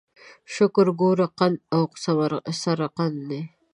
شکره، ګوړه، قند او سرقند دي.